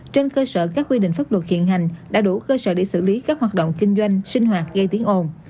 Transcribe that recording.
trên cơ sở các quy định pháp luật hiện hành đã đủ cơ sở để xử lý các hoạt động kinh doanh sinh hoạt gây tiếng ồn